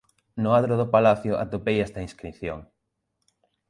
No adro do palacio atopei esta inscrición: